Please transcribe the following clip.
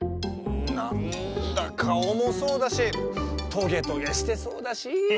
なんだかおもそうだしトゲトゲしてそうだし。